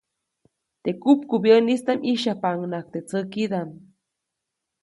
Teʼ kupkubyäʼnistaʼm ʼyĩsyajpaʼunhnaʼajk teʼ tsäkidaʼm.